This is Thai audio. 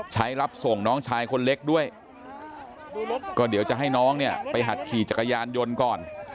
รับส่งน้องชายคนเล็กด้วยก็เดี๋ยวจะให้น้องเนี่ยไปหัดขี่จักรยานยนต์ก่อน